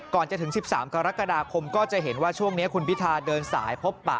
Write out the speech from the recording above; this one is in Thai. ก่อนจะถึง๑๓กรกฎาคมก็จะเห็นว่าช่วงนี้คุณพิธาเดินสายพบปะ